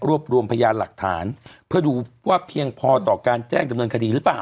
รวมรวมพยานหลักฐานเพื่อดูว่าเพียงพอต่อการแจ้งดำเนินคดีหรือเปล่า